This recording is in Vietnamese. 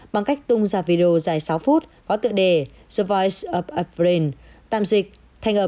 bằng cách tung ra video dài sáu phút có tựa đề the voice of a brain